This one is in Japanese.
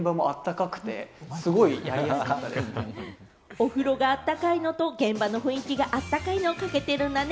お風呂が温かいのと現場の雰囲気が温かいのをかけてるんだね。